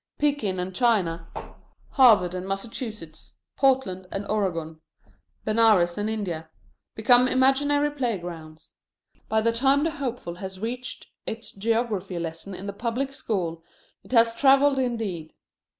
Pekin and China, Harvard and Massachusetts, Portland and Oregon, Benares and India, become imaginary playgrounds. By the time the hopeful has reached its geography lesson in the public school it has travelled indeed.